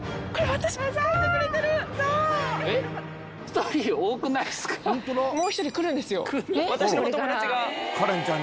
私のお友達が。